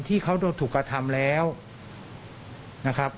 ที่เขาโดนถูกกระทำแล้วนะครับ